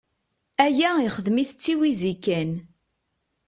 Aya ixdem-it d tiwizi kan.